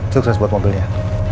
sukses buat mobilnya